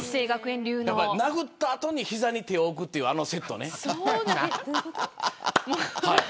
殴った後に、膝に手を置くというあのセットね。